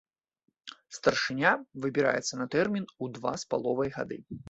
Старшыня выбіраецца на тэрмін у два з паловай гады.